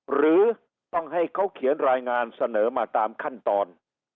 หรือต้องให้เขาเขียนรายงานเสนอมาตามขั้นตอน